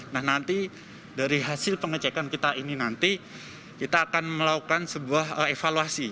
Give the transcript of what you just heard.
nah nanti dari hasil pengecekan kita ini nanti kita akan melakukan sebuah evaluasi